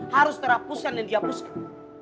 harus terhapuskan dan dihapuskan